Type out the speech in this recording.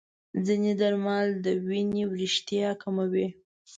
ځینې درمل د وینې وریښتیا کموي.